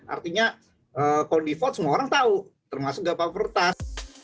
artinya kalau default semua orang tahu termasuk bapak peretas